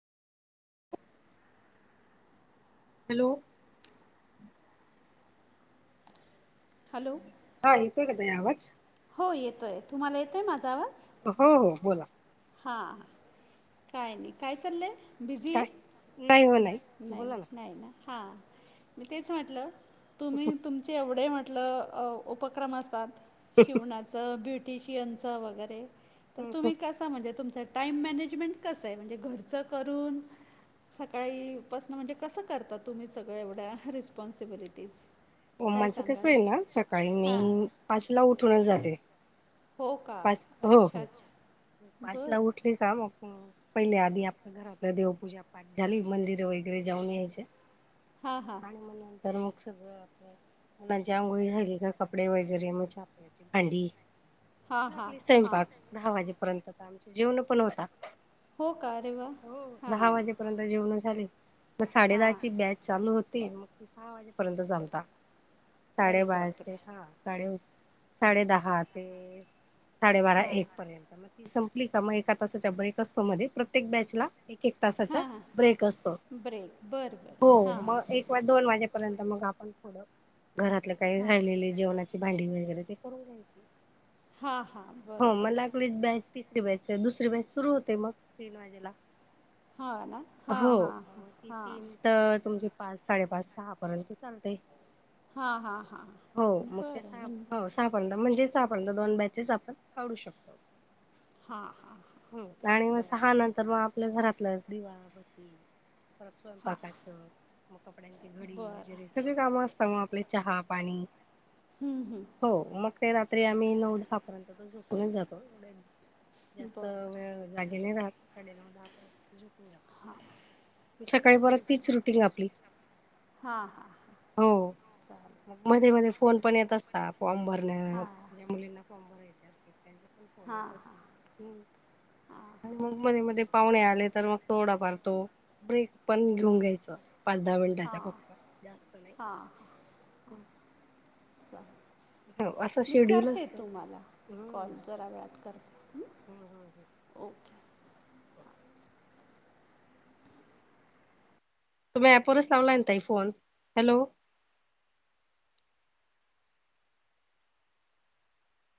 Hello. Hello. हा, येतोय का ताई आवाज? हो येतोय, तुम्हाला येतोय माझा आवाज? हो-हो, बोला. हा, काय नाही, काय चाललंय? बिझी काय आहे. नाही हो नाही नाही, बोला नाही ना? हा, मी तेच म्हटलं, तुम्ही तुम चे एवढे म्हटलं, अ उपक्रम असतात. शिवणा च, ब्युटीशियनच वगैरे, तर हम्म. तुम्ही कसं च म्हणजे तुमचं टाइम मॅनेजमेंट कसं आहे. म्हणजे घरचं करून सकाळी पसन म्हणजे कसं करता तुम्ही सगळं एवढ्या रिस्पॉन्सिबिलिटीज? ओ काय माझं कसं सांगाल आहे ना, सकाळी मी हां पाचला उठूनच जाते. हो का पाच, अच्छा हो-हो, अच्छा पाचला बरं उठली का मग मी पहिले आधी आपल्या घरातलं देवपूजा पाठ झाली. मंदिर वगैरे जाऊन यायचं. हां हां आणि मग नंतर मग सगळं मुलांची आंघोळी झाली का? कपडे वगैरे मग चहा पाण्याची भांडी. हां हां लागली हां स्वयंपाक दहा वाजेपर्यंत तर आमचे जेवणं पण होता, हो का अरे वा हो, हां दहा वाजे पर्यंत जेवणं झाले, मग साडे हां दहाची बॅच चालू होती, मग ते सहा वाजेपर्यंत चालता. साडे अरे पाच ते बापरे हा, साडे साडे दहा ते साडेबारा हां एक पर्यंत मग ती संपली का, मग एका तासाचा ब्रेक असतो मध्ये, प्रत्येक बॅचला ए एक तासाचा हां हां ब्रेक असतो ब्रेक बरं बरं हो, हां मग एक वा दोन वाजेपर्यंत मग आपण थोडं, घरातलं काही राहिलेले जेवणाची भांडी वगैरे ते करून घ्यायचं. हा, हा, बरोबर. आपलीच बॅच तिसरी बॅच आहे, दुसरी बॅच सुरू होते, मग तीन वाजेला. हाव ना, हा हो हा, ह मग ती हां. तीन तर तुमचे पाच साडेपाच सहा पर्यंत चालतंय. हा, हा, हा. हो, मग ते सहा हो सहा पर्यंत म्हणजे सहा पर्यंत दोन बॅचेस आपण काढू शकतो. हा, हा. हम्म, आणि मग सहा नंतर मग आपलं घरातलं दिवा बत्ती. परत हां स्वयंपाकाचं, मग कपड्यांची घडी वगैरे स बरं सगळे कामं असता मग आपले चहा पाणी. हम्म, हम्म. हो, मग ते रात्री आम्ही नऊ दहा पर्यंत तर झोपूनच जातो. तर बरं मिळ जागी नाही राहात, साडे नऊ दहार्यंत झोपून जातो. हा. सकाळी परत तीच रुटींग आपली. हां, हा, चा मध्येे मध्ये फोन पण येत असता, फॉर्म भरण्या हां झे मुलींना. फॉर्म भरायचे असते, त्यांचे पण फोन येत असतील, तीन. आणि मग मध्ये मध्ये पाहुणे आले तर, मग थोडा फार तो ब्रेक पण घेऊन घ्यायचं. पंधरा मिनिटाचा फक्त, जास्त नाही. सा. हो असं मी शेड्यूल करते असतं आमचं तुम्हाला, कॉल हम्म जरा वेळात करते. हम्म हम्म ओके तुम्ही ऍपवरच लावलाय ना ताई फोन, हॅलो.